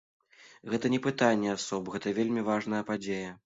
Гэта не пытанне асоб, гэта вельмі важная падзея.